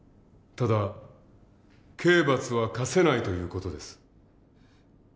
ただ刑罰は科せないという事です。